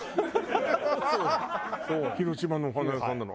広島のお花屋さんなの？